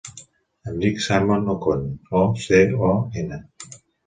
Em dic Simon Ocon: o, ce, o, ena.